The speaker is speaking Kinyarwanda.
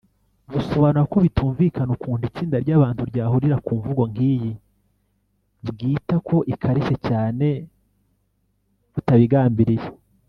Busobanura ko bitumvikana ukuntu itsinda ry’abantu ryahurira ku mvugo nk’iyi bwita ko ikarishye cyane butabigambiriye